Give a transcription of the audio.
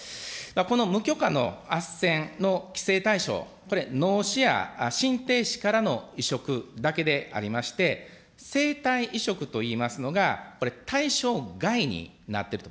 この無許可のあっせんの規制対象、これ脳死や心停止からの移植だけでありまして、生体移植といいますのが、対象外になっていると。